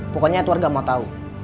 pokoknya keluarga mau tau